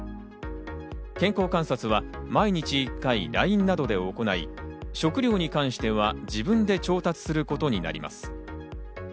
健康観察は毎日１回、ＬＩＮＥなどで行い、食料に関しては自分で調達することになります。